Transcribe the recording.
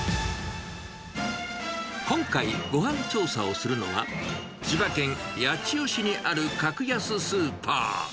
今回、ごはん調査をするのは、千葉県八千代市にある格安スーパー。